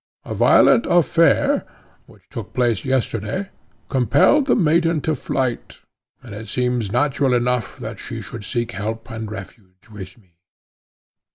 A violent affair, which took place yesterday, compelled the maiden to flight, and it seems natural enough that she should seek help and refuge with me."